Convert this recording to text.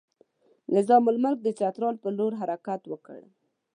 نظام الملک د چترال پر لور حرکت وکړ.